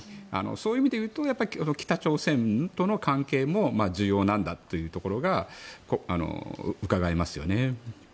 そういう意味でいうと北朝鮮との関係も重要なんだというところがうかがえますよね。